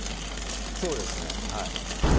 そうですね、はい。